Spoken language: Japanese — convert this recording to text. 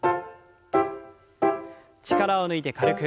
力を抜いて軽く。